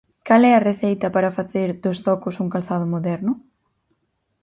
Cal é a receita para facer dos zocos un calzado moderno?